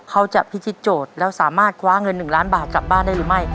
เขาจะพิธีโจทย์แล้วสามารถคว้าเงิน๑ล้านบาทกลับบ้านได้หรือไม่